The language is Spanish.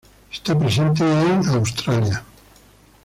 Está presente en Australia.